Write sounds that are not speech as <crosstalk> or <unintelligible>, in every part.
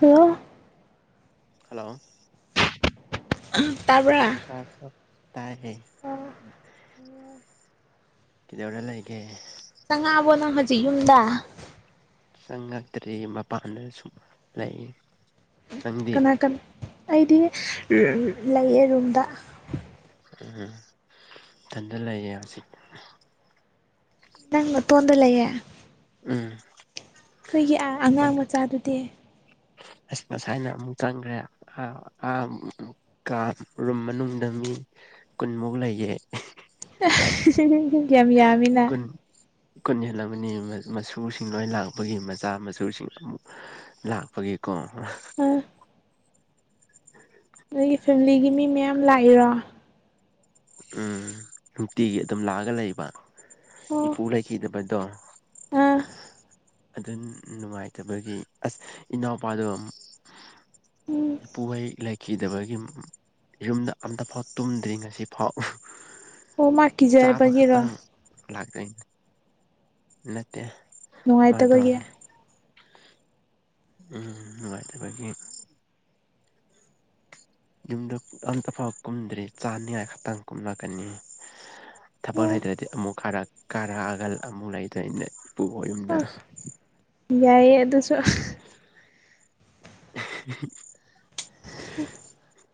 Hello hello ꯇꯥꯕ꯭ꯔꯥ <unintelligible> ꯀꯧꯗꯧꯔ ꯂꯩꯒꯦ ꯆꯪꯉꯕꯣ ꯅꯪ ꯍꯧꯖꯤꯛ ꯌꯨꯝꯗ ꯆꯪꯉꯛꯇ꯭ꯔꯤ ꯃꯄꯥꯟꯗ ꯁꯨꯝ ꯂꯩ ꯅꯪꯗꯤ ꯀꯅꯥ ꯀꯅꯥ ꯑꯩꯗꯤ ꯂꯩꯌꯦ ꯔꯨꯝꯗ ꯎꯝ ꯏꯊꯟꯗ ꯂꯩꯌꯦ ꯍꯧꯖꯤꯛ ꯅꯪ ꯅꯇꯣꯝꯗ ꯂꯩꯌꯦ ꯎꯝ ꯅꯣꯏꯒꯤ ꯑ ꯑꯉꯥꯡ ꯃꯆꯥꯗꯨꯗꯤ ꯑꯁ ꯉꯁꯥꯢꯅ ꯑꯃꯨꯛ ꯆꯪꯈ꯭ꯔꯦ ꯑ ꯑ ꯀ ꯔꯨꯝ ꯃꯅꯨꯡꯗ ꯃꯤ ꯀꯨꯟꯃꯨꯛ ꯂꯩꯌꯦ ꯌꯤꯝ ꯌꯥꯝꯃꯤ ꯀꯨꯟ ꯀꯨꯟ ꯍꯦꯜꯂꯝꯃꯅꯤ ꯃꯁꯨꯁꯤꯡ ꯂꯣꯏ ꯂꯥꯛꯄꯒꯤ ꯃꯆꯥ ꯃꯁꯨꯁꯤꯡ ꯑꯃꯨꯛ ꯂꯥꯛꯄꯒꯤꯀꯣ ꯑꯝ ꯅꯣꯏꯒꯤ ꯐꯦꯃꯤꯂꯤꯒꯤ ꯃꯤ ꯃꯌꯥꯝ ꯂꯥꯛꯏꯔꯣ ꯎꯝ ꯅꯨꯡꯇꯤꯒꯤ ꯑꯗꯨꯝ ꯂꯥꯛꯑꯒ ꯂꯩꯕ ꯑꯣ ꯏꯄꯨ ꯂꯩꯈꯤꯗꯕꯗꯣ ꯑꯥ ꯑꯗꯨ ꯅꯨꯡꯉꯥꯏꯇꯕꯒꯤ ꯑꯁ ꯏꯅꯥꯎꯄꯥꯗꯣ ꯎꯝ ꯏꯄꯨꯍꯣꯢ ꯂꯩꯈꯤꯗꯕꯒꯤ ꯌꯨꯝꯗ ꯑꯝꯐꯥꯎ ꯇꯨꯝꯗ꯭ꯔꯤ ꯉꯁꯤ ꯐꯥꯎ ꯑꯣ ꯃꯥ ꯆꯥꯕ ꯀꯤꯖꯕꯒꯤꯔꯣ ꯈꯛꯇꯪ ꯂꯥꯛꯢ ꯅꯠꯇꯦ ꯃꯥꯗꯣ ꯅꯨꯡꯉꯥꯏꯇꯕꯒꯤ ꯎꯝ ꯅꯨꯡꯉꯥꯏꯇꯕꯒꯤ ꯌꯨꯝꯗ ꯑꯝꯇꯐꯥꯎ ꯀꯨꯝꯗ꯭ꯔꯤ ꯆꯥꯅꯤꯉꯥꯏ ꯈꯛꯇꯪ ꯀꯨꯝꯂꯛꯀꯅꯤ ꯊꯕꯛ ꯑꯣ ꯂꯩꯇ꯭ꯔꯗꯤ ꯑꯃꯨꯛ ꯀꯥꯔꯛ ꯀꯥꯔꯛꯑꯒ ꯑꯃꯨꯛ ꯂꯩꯗꯣꯏꯅꯦ ꯏꯄꯨꯈꯣꯏ ꯌꯨꯝꯗ ꯑꯁ ꯌꯥꯏꯌꯦ ꯑꯗꯨꯁꯨ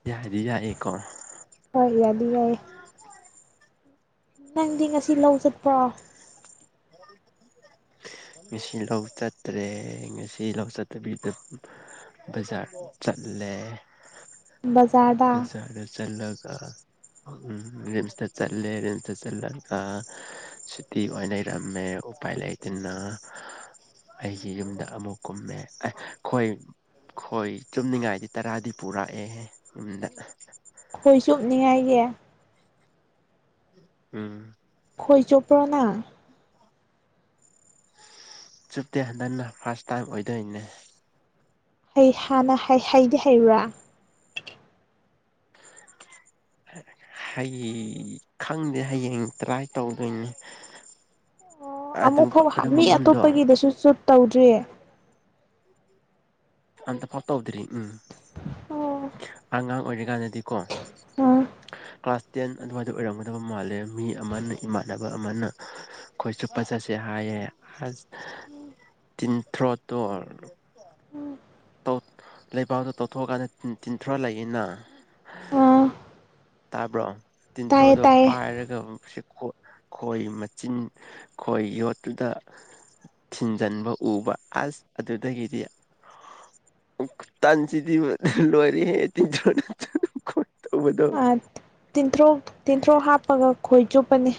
ꯌꯥꯗꯤ ꯌꯥꯏꯌꯦꯀꯣ ꯍꯣꯏ ꯌꯥꯗꯤ ꯌꯥꯏꯌꯦ ꯅꯪꯗꯤ ꯉꯁꯤ ꯂꯧ ꯆꯠꯄ꯭ꯔꯣ ꯉꯁꯤ ꯂꯧ ꯆꯠꯇ꯭ꯔꯦ ꯉꯁꯤ ꯂꯧ ꯆꯠꯇꯕꯤ ꯗꯨꯝ ꯕꯖꯥꯔ ꯆꯠꯂꯦ ꯕꯖꯥꯔꯗ ꯕꯖꯥꯔꯗ ꯆꯠꯂꯒ ꯎꯝ ꯔꯤꯝꯁꯇ ꯆꯠꯂꯦ ꯔꯤꯝꯁꯇ ꯆꯠꯂꯒ ꯁꯨꯇꯤ ꯑꯣꯏꯅ ꯔꯝꯃꯦ ꯎꯄꯥꯏ ꯂꯩꯇꯅ ꯑꯩꯒꯤ ꯌꯨꯝꯗ ꯑꯃꯨꯛ ꯀꯨꯝꯃꯦ ꯑꯦ ꯈꯣꯏ ꯈꯣꯏ ꯆꯨꯞꯅꯤꯡꯉꯥꯏꯗꯤ ꯇꯔꯥꯗꯤ ꯄꯨꯔꯛꯑꯦꯍꯦ ꯌꯨꯝꯗ ꯈꯣꯏ ꯆꯨꯞꯅꯤꯡꯉꯥꯏꯒꯤ ꯎꯝ ꯈꯣꯏ ꯆꯣꯞꯄ꯭ꯔꯣꯅ ꯆꯨꯞꯇꯦ ꯍꯟꯗꯛꯅ ꯐꯥꯔꯁ ꯇꯥꯏꯝ ꯑꯣꯏꯗꯣꯏꯅꯦ ꯍꯩ ꯍꯥꯟꯅ ꯍꯩ ꯍꯩꯗꯤ ꯍꯩꯕ꯭ꯔꯥ <inaudible> ꯍꯩ ꯈꯪꯗꯦ ꯍꯌꯦꯡ ꯇ꯭ꯔꯥꯏ ꯇꯧꯗꯨꯏꯅꯦ ꯑꯣ ꯑꯃꯨꯛꯐꯥꯎ ꯍꯥꯛ ꯃꯤ ꯃꯐꯝꯗꯣ ꯑꯇꯣꯞꯄꯒꯤꯗꯁꯨ ꯆꯨꯞ ꯇꯧꯗ꯭ꯔꯤ ꯑꯝꯇꯐꯥꯎ ꯇꯧꯗ꯭ꯔꯤ ꯎꯝ ꯑꯉꯥꯡ ꯑꯣꯏꯔꯤꯀꯥꯟꯗꯗꯤꯀꯣ ꯑꯣ ꯀ꯭ꯂꯥꯁ ꯇꯦꯟ ꯑꯗꯨꯋꯥꯏꯗ ꯑꯣꯏꯔꯝꯒꯗꯕ ꯃꯥꯜꯂꯦ ꯃꯤ ꯑꯃꯅ ꯏꯃꯥꯟꯅꯕ ꯑꯃꯅ ꯈꯣꯏ ꯆꯨꯞꯄ ꯆꯠꯁꯦ ꯍꯥꯏꯌꯦ ꯑꯁ ꯇꯤꯟꯊ꯭ꯔꯣꯠꯇꯣ ꯂꯩꯕꯥꯛꯗ ꯇꯧꯊꯣꯛꯑꯀꯥꯟꯗ ꯇꯤꯟ ꯇꯤꯟꯊ꯭ꯔꯣ ꯂꯩꯌꯦꯅ ꯑꯥ ꯇꯥꯕ꯭ꯔꯣ ꯇꯥꯏꯌꯦ ꯇꯤꯟꯊ꯭ꯔꯣꯗꯣ ꯇꯥꯏꯌꯦ ꯄꯥꯏꯔꯒ <unintelligible> ꯈꯣꯏ ꯃꯆꯤꯟ ꯈꯣꯏ ꯌꯣꯠꯇꯨꯗ ꯊꯤꯟꯖꯟꯕ ꯎꯕ ꯑꯁ ꯑꯗꯨꯗꯒꯤꯗꯤ ꯈꯨꯇꯟꯁꯤꯗꯤ ꯂꯣꯏꯔꯦꯍꯦ ꯇꯤꯟꯊ꯭ꯔꯣ <unintelligible> ꯇꯧꯕꯗꯣ ꯑꯥ ꯇꯤꯟꯊ꯭ꯔꯣꯛ ꯇꯤꯟꯊ꯭ꯔꯣꯛ ꯍꯥꯞꯄꯒ ꯈꯣꯏ ꯆꯨꯞꯄꯅꯤ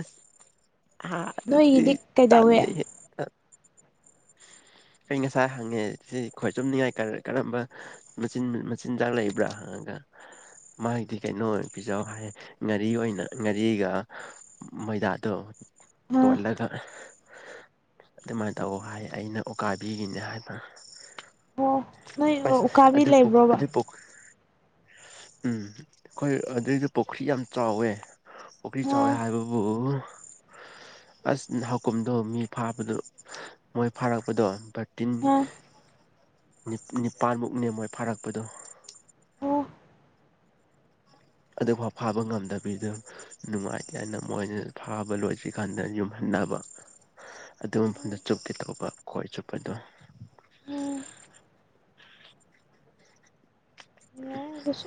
ꯑꯁ ꯍꯥ ꯑꯗꯨꯗꯤ ꯅꯣꯏꯒꯤꯗꯤ ꯀꯩꯗꯧꯋꯦ ꯇꯥꯟꯅꯤꯍꯦ ꯑꯩ ꯉꯁꯥꯏ ꯍꯪꯉꯦ ꯁꯤ ꯈꯣꯏ ꯆꯨꯞꯅꯤꯡꯉꯥꯏ ꯀꯔ ꯀꯔꯝꯕ ꯃꯆꯤꯟ ꯃꯆꯤꯟꯖꯥꯛ ꯂꯩꯕ꯭ꯔꯥ ꯍꯪꯉꯒ ꯃꯥꯏꯒꯤꯗꯤ ꯀꯩꯅꯣ ꯑꯣꯏ ꯄꯤꯍꯧ ꯍꯥꯏ ꯉꯥꯔꯤ ꯑꯣꯏꯅ ꯉꯥꯔꯤꯒ ꯃꯣꯏꯗꯥꯗꯣ ꯑꯥ ꯇꯣꯜꯂꯒ ꯑꯗꯨꯃꯥꯏꯅ ꯇꯧ ꯍꯥꯏ ꯑꯩꯅ ꯑꯣꯀꯥꯕꯤꯒꯤꯅꯦ ꯍꯥꯏꯕ ꯑꯣ ꯅꯣꯏ ꯎ ꯑꯁ ꯎꯀꯥꯕꯤ ꯑꯗꯨ ꯂꯩꯕ꯭ꯔꯣꯕ ꯑꯗꯨ ꯎꯝ ꯈꯣꯏ ꯑꯗꯨꯏꯗ ꯄꯨꯈꯤ ꯌꯥꯝ ꯆꯥꯎꯋꯦ ꯄꯨꯈꯤ ꯆꯥꯎꯋꯦ ꯑꯥ ꯍꯥꯏꯕꯕꯨ ꯑꯁ ꯅꯍꯥꯎꯀꯨꯝꯗꯣ ꯃꯤ ꯐꯥꯕꯗꯣ ꯃꯣꯏ ꯐꯥꯔꯛꯄꯗꯣ ꯕꯠ ꯇꯤꯟ ꯑꯥ ꯅꯤ ꯅꯤꯄꯥꯟꯃꯨꯛꯅꯦ ꯃꯣꯏ ꯐꯥꯔꯛꯄꯗꯣ ꯑꯣ ꯑꯗꯨꯒꯐꯥꯎ ꯐꯥꯕ ꯉꯝꯗꯕꯤꯗ ꯅꯨꯡꯉꯥꯏꯇꯦꯅ ꯍꯥꯏꯅ ꯃꯣꯏꯅ ꯐꯥꯕ ꯂꯣꯏꯗ꯭ꯔꯤ ꯀꯥꯟꯗ ꯌꯨꯝ ꯍꯟꯅꯕ ꯑꯗꯨ ꯃꯐꯝꯗ ꯆꯨꯞꯀꯦ ꯇꯧꯕ ꯈꯣꯏ ꯆꯨꯞꯄꯗꯣ ꯑꯣ ꯌꯥꯏ ꯑꯗꯨꯁꯨ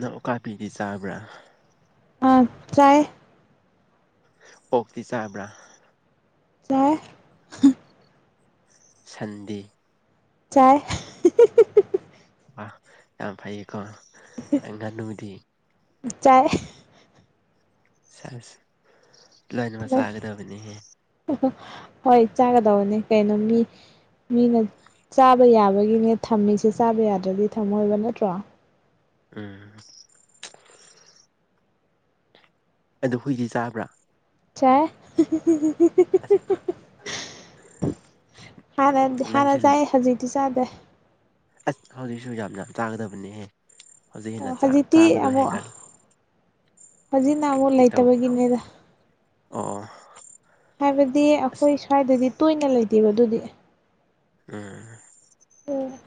ꯅꯪ ꯎꯀꯥꯄꯤꯗꯤ ꯆꯥꯕ꯭ꯔꯥ ꯑꯥ ꯆꯥꯏ ꯑꯣꯛꯇꯤ ꯆꯥꯕ꯭ꯔꯥ ꯆꯥꯏ ꯁꯟꯗꯤ ꯆꯥꯏ ꯋꯥ ꯌꯥꯝ ꯐꯩꯌꯦꯀꯣ ꯑꯩ ꯉꯥꯅꯨꯗꯤ ꯆꯥꯏ ꯁꯥ ꯂꯣꯏꯃꯛ ꯆꯥꯒꯗꯕꯅꯦꯍꯦ ꯍꯣꯏ ꯆꯥꯒꯗꯧꯕꯅꯦ ꯀꯩꯅꯣ ꯃꯤ ꯃꯤꯅ ꯆꯥꯕ ꯌꯥꯕꯒꯤꯅꯦ ꯊꯝꯃꯤꯁꯦ ꯆꯥꯕ ꯌꯥꯗ꯭ꯔꯗꯤ ꯊꯝꯃꯣꯏꯕ ꯅꯠꯇ꯭ꯔꯣ ꯎꯝ ꯑꯗꯨ ꯍꯨꯏꯗꯤ ꯆꯥꯕ꯭ꯔꯥ ꯆꯥꯏ ꯑꯁ ꯍꯥꯟꯅꯗꯤ ꯍꯥꯟꯅ ꯅꯪꯁꯦ ꯆꯥꯏ ꯍꯧꯖꯤꯛꯇꯤ ꯆꯥꯗꯦ ꯑꯁ ꯍꯧꯖꯤꯛꯁꯨ ꯌꯥꯝ ꯌꯥꯝ ꯆꯥꯒꯗꯕꯅꯦꯍꯦ ꯍꯧꯖꯤꯛ ꯍꯦꯟꯅ ꯆꯥ ꯍꯧꯖꯤꯇꯤ ꯆꯥꯕꯗꯣ ꯑꯃꯨꯛ ꯍꯦꯟꯒꯠꯂꯨ ꯍꯧꯖꯤꯛꯅ ꯑꯃꯨꯛ ꯇꯧ ꯂꯩꯇꯕꯒꯤꯅꯦꯗ ꯑꯣ ꯍꯥꯏꯕꯗꯤ ꯑꯩꯈꯣꯏ ꯑꯁ ꯁ꯭ꯋꯥꯏꯗꯗꯤ ꯇꯣꯏꯅ ꯂꯩꯇꯦꯕ ꯑꯗꯨꯗꯤ ꯎꯝ ꯑꯣ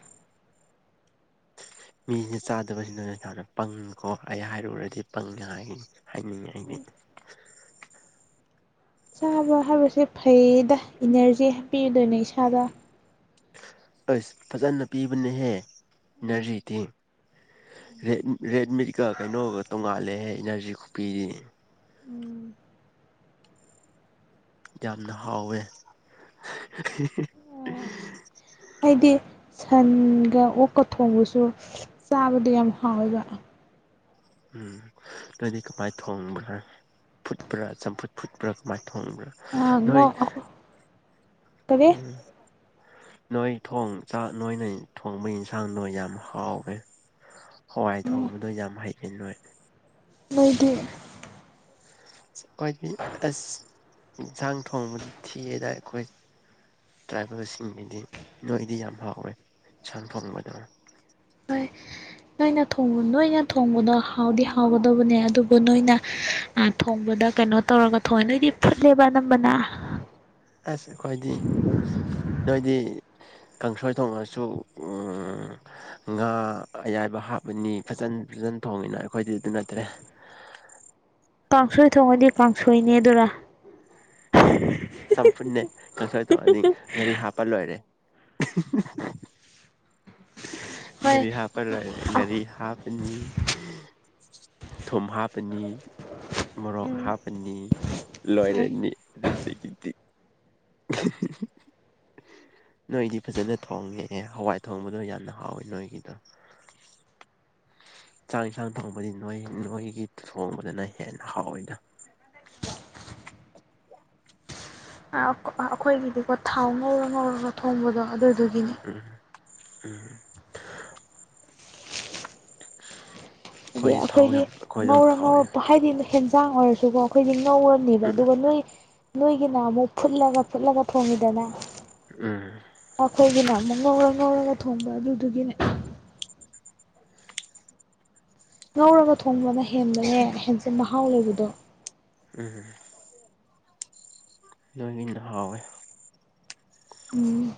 ꯃꯤꯁꯤꯅ ꯆꯥꯗꯕꯁꯤꯅ ꯏꯁꯥꯅ ꯄꯪ ꯀꯣ ꯑꯩ ꯍꯥꯏꯔꯨꯔꯗꯤ ꯄꯪꯅꯤ ꯍꯥꯏꯒꯅꯤ ꯍꯥꯏꯅꯤꯡꯑꯩꯅꯤ ꯆꯥꯕ ꯍꯥꯏꯕꯁꯦ ꯐꯩꯗ ꯏꯅꯔꯖꯤ ꯍꯥꯞꯄꯤꯨꯗꯣꯏꯅꯦ ꯏꯁꯥꯗ ꯑꯁ ꯐꯖꯅ ꯄꯤꯕꯅꯍꯦ ꯏꯟꯅꯔꯖꯤꯗꯤ ꯔꯦꯗꯃꯤꯒ ꯀꯩꯅꯣꯒ ꯇꯣꯡꯉꯥꯜꯂꯦꯍꯦ ꯏꯅꯔꯖꯤ ꯀꯄꯤꯗꯤ ꯎꯝ ꯌꯥꯝꯅ ꯍꯥꯎꯋꯦ ꯑꯩꯗꯤ ꯁꯟꯒ ꯑꯣꯛꯀ ꯊꯣꯡꯕꯁꯨ ꯆꯥꯕꯗꯨ ꯌꯥꯝ ꯍꯥꯎꯋꯦꯕ ꯎꯝ ꯑꯗꯨꯏꯗꯤ ꯀꯃꯥꯏꯅ ꯊꯣꯡꯕ꯭ꯔꯥ ꯐꯨꯠꯄ꯭ꯔꯥ ꯆꯝꯐꯨꯠ ꯐꯨꯠꯄ꯭ꯔꯥ ꯀꯃꯥꯏꯅ ꯊꯣꯡꯕ꯭ꯔꯥ ꯅꯣꯏ <unintelligible> ꯀꯔꯤ ꯎꯝ ꯅꯣꯏ ꯊꯣꯛ ꯆꯥꯛ ꯅꯣꯏꯅ ꯊꯣꯡꯕꯒꯤ ꯏꯟꯁꯥꯡꯗꯣ ꯌꯥꯝ ꯍꯥꯎꯋꯦ ꯍꯋꯥꯏ ꯊꯣꯡꯕꯗꯣ ꯌꯥꯝ ꯍꯩꯌꯦ ꯅꯣꯏ ꯅꯣꯏꯗꯤ ꯑꯩꯈꯣꯏꯗꯤ ꯑꯁ ꯌꯦꯟꯁꯥꯡ ꯊꯣꯡꯕ ꯊꯤꯌꯦꯅ ꯑꯩꯈꯣꯏ ꯇ꯭ꯔꯥꯏꯕꯦꯜꯁꯤꯡꯒꯤꯗꯤ ꯅꯣꯏꯗꯤ ꯌꯥꯝ ꯍꯥꯎꯋꯦ ꯁꯟ ꯊꯣꯡꯕꯗ ꯍꯣꯏ ꯅꯣꯏꯅ ꯅꯣꯏꯅ ꯊꯣꯡꯕꯗꯣ ꯍꯥꯎꯗꯤ ꯍꯥꯎꯒꯗꯕꯅꯦ ꯑꯗꯨꯕꯨ ꯅꯣꯏꯅ ꯊꯣꯡꯕꯗ ꯀꯩꯅꯣ ꯇꯧꯔꯒ ꯊꯣꯡꯉꯦ ꯅꯣꯏꯗꯤ ꯐꯨꯠꯂꯦꯕ ꯑꯅꯝꯕꯅ ꯑꯁ ꯈꯣꯏꯗꯤ ꯅꯣꯏꯗꯤ ꯀꯥꯡꯁꯣꯏ ꯊꯣꯡꯉꯁꯨ ꯉꯥ ꯑꯌꯥꯏꯕ ꯍꯥꯞꯄꯅꯤ ꯐꯖꯟ ꯐꯖꯟ ꯊꯣꯡꯉꯤꯅ ꯑꯩꯈꯣꯏꯗꯤ ꯑꯗꯨ ꯅꯠꯇ꯭ꯔꯦ ꯀꯥꯡꯁꯣꯏ ꯊꯣꯡꯉꯗꯤ ꯀꯥꯡꯁꯣꯏꯅꯤ ꯑꯗꯨꯔ <inaudible> ꯆꯝꯐꯨꯟꯅꯦ ꯀꯥꯡꯁꯣꯏ ꯇꯧꯔꯅꯤ ꯉꯥꯔꯤ ꯍꯥꯞꯄ ꯂꯣꯏꯔꯦ ꯍꯣꯏ ꯉꯥꯔꯤ ꯍꯥꯞ ꯑ ꯉꯥꯔꯤ ꯍꯥꯞꯄꯅꯤ ꯊꯨꯝ ꯍꯥꯞꯄꯅꯤ ꯃꯣꯔꯣꯛ ꯎꯝ ꯍꯥꯞꯄꯅꯤ ꯂꯣꯏꯔꯅꯤ ꯑꯗꯨꯗꯒꯤꯗꯤ <unintelligible> ꯅꯣꯏꯗꯤ ꯐꯖꯅ ꯊꯣꯡꯉꯦꯍ ꯍꯋꯥꯏ ꯊꯣꯡꯕꯗꯣ ꯌꯥꯝꯅ ꯍꯥꯎꯋꯦ ꯅꯣꯏꯒꯤꯗꯣ ꯆꯥꯛ ꯏꯟꯁꯥꯡ ꯊꯣꯡꯕꯗꯤ ꯅꯣꯏ ꯅꯣꯏꯒꯤ ꯊꯣꯡꯕꯗꯅ ꯍꯦꯟꯅ ꯍꯥꯎꯋꯤꯅ ꯑꯥ ꯑꯩꯈꯣꯏꯒꯤꯗꯤꯀꯣ ꯊꯥꯎ ꯉꯧꯔ ꯉꯧꯔꯒ ꯊꯣꯡꯕꯗꯣ ꯑꯗꯨꯗꯨꯒꯤꯅꯦ ꯎꯝ ꯎꯝ ꯍꯥꯏꯗꯤ ꯊꯥꯎ ꯑꯩꯈꯣꯏꯗꯤ ꯌꯥꯝ ꯑꯩꯈꯣꯏꯗꯣ ꯉꯧꯔ ꯊꯥꯎ ꯅꯧꯔꯛꯄ ꯍꯥꯏꯗꯤ ꯍꯦꯟꯖꯥꯡ ꯑꯣꯏꯔꯁꯨꯀꯣ ꯑꯩꯈꯣꯏꯗꯤ ꯉꯧꯔꯅꯤꯕ ꯎꯝ ꯑꯗꯨꯒ ꯅꯣꯏ ꯅꯣꯏꯒꯤꯅ ꯑꯃꯨꯛ ꯐꯨꯠꯂꯒ ꯐꯨꯠꯂꯒ ꯊꯣꯡꯉꯤꯗꯅ ꯎꯝ ꯑꯩꯈꯣꯏꯒꯤꯅ ꯑꯃꯨꯛ ꯉꯧꯔ ꯉꯧꯔꯒ ꯊꯣꯡꯕ ꯑꯗꯨꯗꯨꯒꯤꯅꯦ ꯉꯧꯔꯒ ꯊꯣꯡꯕꯅ ꯍꯦꯟꯕꯅꯦ ꯍꯦꯟꯁꯦ ꯃꯍꯥꯎ ꯂꯩꯕꯗꯣ ꯎꯝ ꯂꯣꯏꯟꯅ ꯍꯥꯎꯋꯦ ꯎꯝ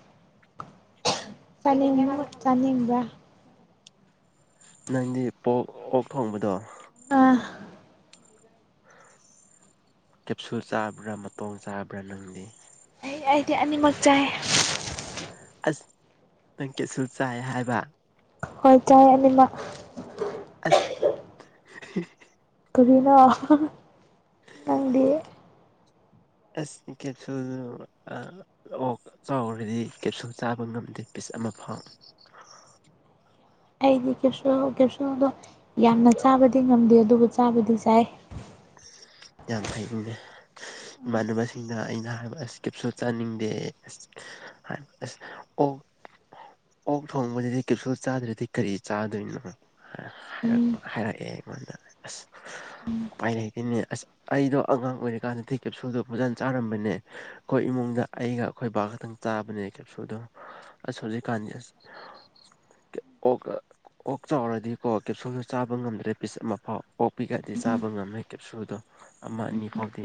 ꯆꯅꯤꯡꯉꯦ ꯆꯥꯅꯤꯡꯕ꯭ꯔ ꯅꯪꯗꯤ ꯄꯣꯛ ꯑꯣꯛ ꯊꯣꯡꯕꯗꯣ ꯑꯥ ꯀꯦꯞꯁꯨꯜ ꯆꯥꯕ꯭ꯔꯥ ꯃꯇꯣꯡ ꯆꯥꯕ꯭ꯔꯥ ꯅꯪꯗꯤ ꯑꯩ ꯑꯩꯗꯤ ꯑꯅꯤꯃꯛ ꯆꯥꯏ ꯑꯁ ꯅꯪ ꯀꯩꯁꯨ ꯆꯥꯏ ꯍꯥꯏꯕ ꯍꯣꯏ ꯆꯥꯏ ꯑꯅꯤꯃꯛ ꯑꯁ <unintelligible> ꯀꯔꯤꯅꯣ ꯅꯪꯗꯤ ꯑꯁ ꯀꯦꯞꯁꯨꯜ ꯑ ꯑꯣꯛ ꯆꯥꯎꯔꯗꯤ ꯀꯦꯞꯁꯨꯜ ꯆꯥꯕ ꯉꯝꯗꯦ ꯄꯤꯁ ꯑꯃ ꯐꯥꯎ ꯑꯩꯗꯤ ꯀꯦꯞꯁꯨꯜ ꯀꯦꯞꯁꯨꯜꯗꯣ ꯌꯥꯝꯅ ꯆꯥꯕꯗꯤ ꯉꯝꯗꯦ ꯑꯗꯨꯕꯨ ꯆꯥꯕꯗꯤ ꯆꯥꯏ ꯌꯥꯝ ꯐꯩꯅꯦ ꯏꯃꯥꯟꯅꯕꯁꯤꯡꯅ ꯑꯩꯅ ꯍꯥꯏꯕ ꯑꯁ ꯀꯦꯞꯁꯨꯜ ꯆꯥꯅꯤꯡꯗꯦ ꯍꯥꯏ ꯑꯁ ꯑꯣꯛ ꯑꯣꯛ ꯊꯣꯡꯕꯗꯗꯤ ꯀꯦꯞꯁꯨꯜ ꯆꯥꯗ꯭ꯔꯗꯤ ꯀꯔꯤ ꯆꯥꯗꯣꯏꯅꯣ ꯎꯝ ꯍꯥꯏꯔꯛꯄ ꯍꯥꯏꯔꯛꯑꯦ ꯑꯩꯉꯣꯟꯗ ꯑꯁ ꯎꯄꯥꯏ ꯂꯩꯇꯦꯅꯦ ꯑꯁ ꯑꯩꯗꯣ ꯑꯉꯥꯡ ꯑꯣꯏꯔꯤꯀꯥꯟꯗꯗꯤ ꯀꯦꯞꯁꯨꯜꯗꯣ ꯐꯖꯟ ꯆꯥꯔꯝꯕꯅꯦ ꯑꯩꯈꯣꯏ ꯏꯃꯨꯡꯗ ꯑꯩꯒ ꯑꯩꯈꯣꯏ ꯕꯥ ꯈꯛꯇꯪ ꯆꯥꯕꯅꯦ ꯀꯦꯞꯁꯨꯜꯗꯣ ꯑꯁ ꯍꯧꯖꯤꯛꯀꯥꯟꯗꯤ ꯑꯁ ꯀꯦ ꯑꯣꯛ ꯀ ꯑꯣꯛ ꯆꯥꯎꯔꯗꯤꯀꯣ ꯀꯦꯞꯁꯨꯜꯗꯣ ꯆꯥꯕ ꯉꯝꯗ꯭ꯔꯦ ꯄꯤꯁ ꯑꯃꯐꯥꯎ ꯑꯣꯛꯄꯤꯛ ꯑꯗꯤ ꯆꯥꯕ ꯉꯝꯃꯦ ꯀꯦꯞꯁꯨꯗꯣ ꯑꯃ ꯑꯅꯤ ꯐꯥꯎꯗꯤ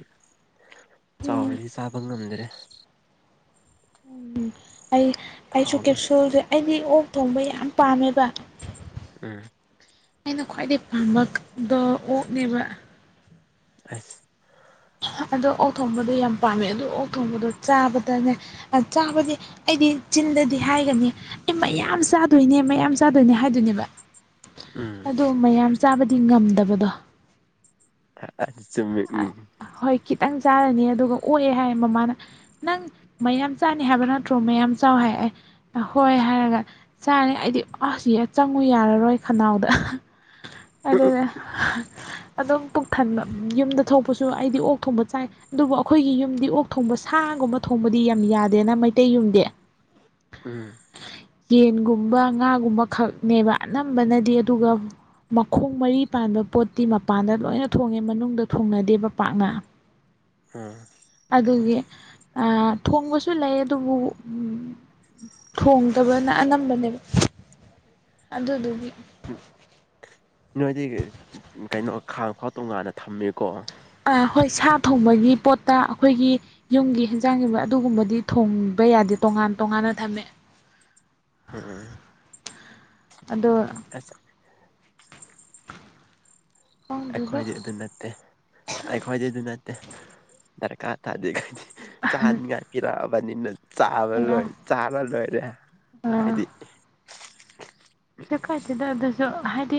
ꯆꯥꯎꯔꯗꯤ ꯆꯥꯕ ꯉꯝꯗ꯭ꯔꯦ ꯑꯩ ꯑꯩꯁꯨ ꯊꯥꯎꯗꯨ ꯀꯦꯞꯁꯨꯜꯁꯦ ꯑꯩꯗꯤ ꯑꯣꯛ ꯊꯣꯡꯕ ꯌꯥꯝ ꯄꯥꯝꯃꯦꯕ ꯎꯝ ꯑꯩꯅ ꯈ꯭ꯋꯥꯏꯗꯩ ꯄꯥꯝꯕꯗꯣ ꯑꯣꯛꯅꯦꯕ ꯑꯁ ꯑꯗꯣ ꯑꯣꯛ ꯊꯣꯡꯕꯗꯣ ꯌꯥꯝ ꯄꯥꯝꯃꯦ ꯑꯗꯨ ꯑꯣꯛ ꯊꯣꯡꯕꯗꯣ ꯆꯥꯕꯗꯅꯦ ꯑꯆꯥꯕꯗꯤ ꯑꯩꯗꯤ ꯆꯤꯟꯗꯗꯤ ꯍꯥꯏꯒꯅꯤ ꯑꯩ ꯃꯌꯥꯝ ꯆꯥꯗꯣꯏꯅꯦ ꯃꯌꯥꯝ ꯆꯥꯗꯣꯏꯅꯦ ꯍꯥꯏꯗꯣꯏꯅꯦꯕ ꯎꯝ ꯑꯗꯣ ꯃꯌꯥꯝ ꯆꯥꯕꯗꯤ ꯉꯝꯗꯕꯗꯣ ꯑ ꯑ ꯆꯨꯝꯃꯤ ꯎꯝ ꯍꯣꯏ ꯈꯤꯇꯪ ꯆꯥꯔꯅꯤ ꯑꯗꯨꯒ ꯑꯣꯛꯑꯦ ꯍꯥꯏꯌꯦ ꯃꯃꯥꯅ ꯅꯪ ꯃꯌꯥꯝ ꯆꯥꯅꯤ ꯍꯥꯏꯕ ꯅꯠꯇ꯭ꯔꯣ ꯃꯌꯥꯝ ꯆꯥꯎ ꯍꯥꯏꯑꯦ ꯅꯍꯣꯏ ꯍꯥꯏꯔꯒ ꯆꯥꯔꯦ ꯑꯩꯗꯤ ꯑꯁ ꯌꯦ ꯆꯪꯉꯨ ꯌꯥꯔꯔꯣꯏ ꯈꯅꯥꯎꯗ ꯑꯗꯨꯅꯦ ꯑꯗꯨꯝ ꯄꯨꯛ ꯊꯟꯕ ꯑꯣꯛꯄꯁꯨ ꯑꯩꯗꯤ ꯑꯣꯛ ꯊꯣꯡꯕ ꯆꯥꯏ ꯑꯗꯨꯕꯨ ꯑꯈꯣꯏꯒꯤ ꯌꯨꯝꯗꯤ ꯑꯣꯛ ꯊꯣꯡꯕ ꯁꯥꯒꯨꯝꯕ ꯊꯣꯡꯕꯗꯤ ꯌꯥꯝ ꯌꯥꯗꯦꯅ ꯃꯩꯇꯩ ꯌꯨꯝꯗꯤ ꯎꯝ ꯌꯦꯟꯒꯨꯝꯕ ꯉꯥꯒꯨꯝꯕ ꯈꯛꯅꯦꯕ ꯑꯅꯝꯕꯅꯗꯤ ꯑꯗꯨꯒ ꯃꯈꯣꯡ ꯃꯔꯤ ꯄꯥꯟꯕ ꯄꯣꯠꯇꯤ ꯃꯄꯥꯟꯗ ꯂꯣꯏꯅ ꯊꯣꯡꯉꯦ ꯃꯅꯨꯡꯗ ꯊꯣꯡꯅꯗꯦꯕ ꯄꯥꯛꯅ ꯎꯝ ꯑꯗꯨꯅꯤ ꯑ ꯊꯣꯡꯕꯁꯨ ꯂꯩ ꯑꯗꯨꯕꯨ ꯎꯝ ꯊꯣꯡꯗꯕꯅ ꯑꯅꯝꯕꯅꯦꯕ ꯑꯗꯨꯗꯨꯒꯤ ꯎꯝ ꯅꯣꯏꯗꯤ ꯀꯩꯅꯣ ꯈꯥꯡ ꯐꯥꯎ ꯇꯣꯡꯉꯥꯟꯅ ꯊꯝꯃꯦꯀꯣ ꯑ ꯍꯣꯏ ꯁꯥ ꯊꯣꯡꯕꯒꯤ ꯄꯣꯠꯇ ꯑꯈꯣꯏꯒꯤ ꯌꯨꯝꯒꯤ ꯍꯤꯟꯖꯥꯡꯒꯨꯝꯕ ꯑꯗꯨꯒꯨꯝꯕꯗꯤ ꯊꯣꯡꯕ ꯌꯥꯗꯦ ꯇꯣꯉꯥꯟ ꯇꯣꯉꯥꯟꯅ ꯊꯝꯃꯦ ꯎꯝ ꯑꯗꯣ <unintelligible> ꯈꯪꯗꯦꯗ ꯑꯩꯈꯣꯏꯗꯤ ꯑꯗꯨ ꯅꯠꯇꯦ ꯑꯩꯈꯣꯏꯗꯤ ꯑꯗꯨ ꯅꯠꯇꯦ ꯗꯔꯀꯥꯔ ꯇꯥꯗꯦ ꯈꯣꯏꯗꯤ ꯆꯥꯅꯤꯉꯥꯏ ꯄꯤꯔꯛꯑꯕꯅꯤꯅ ꯆꯥꯕ ꯂꯣꯏ ꯀꯩꯁꯨ ꯆꯥꯕ ꯂꯣꯏꯔꯦ ꯈꯣꯏꯗꯤ ꯀꯩꯁꯨ ꯀꯥꯏꯗꯦꯗ ꯑꯗꯨꯖꯨ ꯍꯥꯏꯗꯤ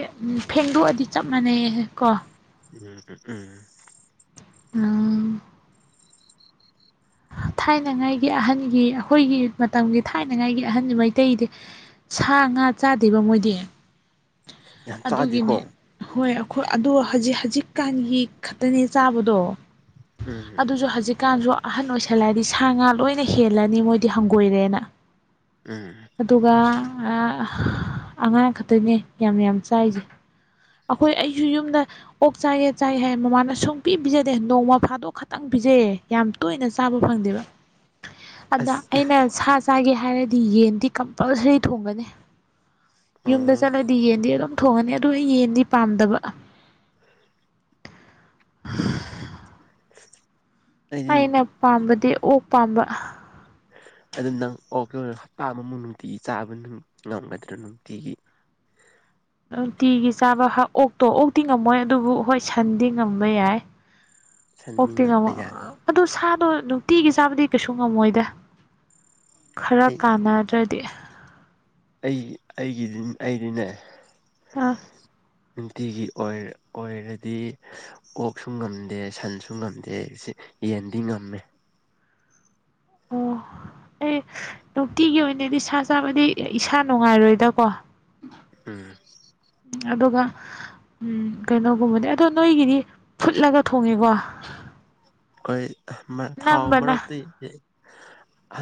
ꯐꯦꯡꯗꯣꯛꯑꯗꯤ ꯆꯞ ꯃꯥꯟꯅꯩꯌꯦ ꯀꯣ ꯎꯝ ꯎꯝ ꯎꯝ ꯎꯝ ꯊꯥꯏꯅꯉꯥꯏꯒꯤ ꯑꯍꯟꯒꯤ ꯑꯈꯣꯏꯒꯤ ꯃꯇꯝꯒꯤ ꯊꯥꯏꯅꯉꯥꯏꯒꯤ ꯑꯍꯟꯗꯤ ꯃꯩꯇꯩꯗꯤ ꯁꯥ ꯉꯥ ꯆꯥꯗꯦꯕ ꯃꯣꯏꯗꯤ ꯌꯥꯝ ꯑꯗꯨꯒꯤꯅꯦ ꯆꯥꯗꯦꯀꯣ ꯍꯣꯏ ꯑꯩꯈꯣꯏ ꯑꯗꯣ ꯍꯖꯤꯛ ꯍꯖꯤꯛꯀꯥꯟꯒꯤ ꯈꯛꯇꯅꯦ ꯆꯥꯕꯗꯣ ꯎꯝ ꯑꯗꯨꯖꯨ ꯍꯖꯤꯛꯀꯥꯟꯁꯨ ꯑꯍꯟ ꯑꯣꯏꯁꯜꯂꯑꯗꯤ ꯁꯥ ꯉꯥ ꯂꯣꯏꯅ ꯍꯦꯜꯂꯅꯤ ꯃꯣꯏꯗꯤ ꯍꯪꯒꯣꯏꯔꯦꯅ ꯎꯝ ꯑꯗꯨꯒ ꯑ ꯑꯉꯥꯡ ꯈꯛꯇꯅꯦ ꯌꯥꯝ ꯌꯥꯝ ꯆꯥꯏꯖꯦ ꯑꯈꯣꯏ ꯑꯩꯖꯨ ꯌꯨꯝꯗ ꯑꯣꯛ ꯆꯥꯏꯒꯦ ꯆꯥꯏꯒꯦ ꯍꯥꯏ ꯃꯃꯥꯅ ꯁꯨꯡꯄꯤ ꯄꯤꯖꯗꯦ ꯅꯣꯡꯃ ꯐꯥꯗꯣꯛ ꯈꯛꯇꯪ ꯄꯤꯖꯩꯌꯦ ꯌꯥꯝ ꯇꯣꯏꯅ ꯆꯥꯕ ꯐꯪꯗꯦꯕ <inaudible> ꯑꯗꯥ ꯑꯁ ꯑꯩꯅ ꯁꯥ ꯆꯥꯒꯦ ꯍꯥꯏꯔꯗꯤ ꯌꯦꯟꯗꯤ ꯀꯝꯄꯜꯁꯔꯤ ꯊꯣꯡꯒꯅꯤ ꯌꯨꯝꯗ ꯎꯝ ꯆꯠꯂꯗꯤ ꯌꯦꯟꯗꯤ ꯑꯗꯨꯝ ꯊꯣꯡꯉꯅꯤ ꯑꯗꯨ ꯌꯦꯟꯗꯤ ꯄꯥꯝꯗꯕ <unintelligible> <inaudible> ꯑꯩꯅ ꯑꯩꯗꯤ ꯄꯥꯝꯕꯗꯤ ꯑꯣꯛ ꯄꯥꯝꯕ ꯑꯗꯨ ꯅꯪ ꯑꯣꯛꯇꯣ ꯍꯞꯇꯥ ꯑꯃꯃꯨꯛ ꯅꯨꯡꯇꯤꯒꯤ ꯆꯥꯕ ꯅꯨꯡ ꯉꯝꯒꯗ꯭ꯔꯥ ꯅꯨꯡꯇꯤꯒꯤ ꯅꯨꯡꯇꯤꯒꯤ ꯆꯥꯕ ꯍꯥ ꯑꯣꯛꯇꯣ ꯑꯣꯛꯇꯤ ꯉꯝꯃꯣꯏ ꯑꯗꯨꯕꯨ ꯍꯣꯏ ꯁꯟꯗꯤ ꯉꯝꯕ ꯌꯥꯏ ꯁꯟꯗꯤ ꯑꯣꯛꯇꯤ ꯉꯝ ꯉꯝꯕ ꯌꯥꯏ ꯑꯗꯨ ꯁꯥꯗꯣ ꯅꯨꯡꯇꯤꯒꯤ ꯆꯥꯕꯗꯤ ꯀꯩꯁꯨ ꯉꯝꯃꯣꯏꯗ ꯈꯔ ꯑꯩ ꯀꯥꯟꯅꯗ꯭ꯔꯗꯤ ꯑꯩ ꯑꯩꯒꯤꯗꯤ ꯑꯩꯗꯤꯅꯦ ꯑꯥ ꯅꯨꯡꯇꯤꯒꯤ ꯑꯣꯏ ꯑꯣꯏꯔꯗꯤ ꯑꫭꯛꯁꯨ ꯉꯝꯗꯦ ꯁꯟꯁꯨ ꯉꯝꯗꯦ ꯌꯦꯟꯗꯤ ꯉꯝꯃꯦ ꯑꯣ ꯑꯩ ꯅꯨꯡꯇꯤꯒꯤ ꯑꯣꯏꯅꯗꯤ ꯁꯥ ꯆꯥꯕꯗꯤ ꯏꯁꯥ ꯅꯨꯡꯉꯥꯏꯔꯣꯏꯗꯀꯣ ꯎꯝ꯫ ꯑꯗꯨꯒ ꯎꯝ ꯀꯩꯅꯣꯒꯨꯝꯕꯅꯦ ꯑꯗꯣ ꯅꯣꯏꯒꯤꯗꯤ ꯐꯨꯠꯂꯒ ꯊꯣꯡꯉꯦꯀꯣ꯫ ꯍꯣꯢ ꯃꯥ ꯊꯥꯎ ꯅꯝꯕꯅ ꯃꯔꯛꯇꯤ